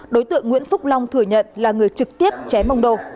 đối tượng nguyễn phúc long thừa nhận là người trực tiếp chém ông đô